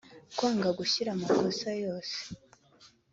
kwanga gushyira amakosa yose